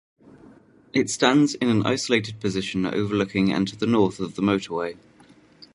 It stands in an isolated position overlooking and to the north of the motorway.